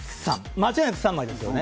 間違いなく３枚ですよね。